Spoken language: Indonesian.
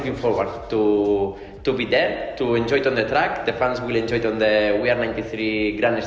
kami berada di sembilan puluh tiga grandstand bersama dengan dj musik backstage pengalaman vip